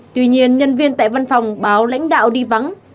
tuy nhiên nhân viên tại văn phòng báo lãnh đạo đi vắng